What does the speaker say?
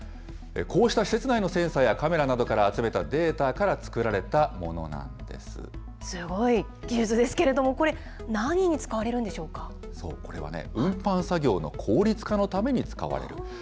こうした施設内のセンサーやカメラなどから集めたデータから作らすごい技術ですけれども、こそう、これはね、運搬作業の効率化のために使われる。